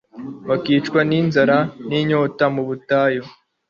bakicwa n'inzara n'inyota mu butayu